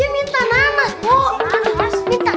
dia minta namas pok